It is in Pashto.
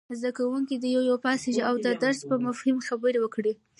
زده کوونکي دې یو یو پاڅېږي او د درس په مفهوم خبرې وکړي.